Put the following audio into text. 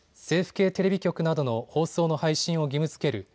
政府系テレビ局などの放送の配信を義務づける